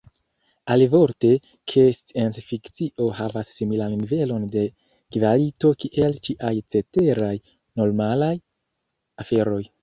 Alivorte, ke sciencfikcio havas similan nivelon de kvalito kiel ĉiaj ceteraj, “normalaj” aferoj.